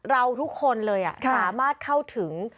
เราทุกคนเลยสามารถเข้าถึง